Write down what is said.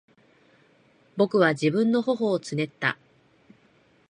私は自分の頬をつねった。